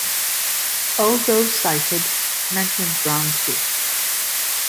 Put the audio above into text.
All those cited mention Brown too.